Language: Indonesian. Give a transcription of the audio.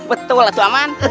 betul lah tuan paman